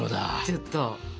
ちょっと。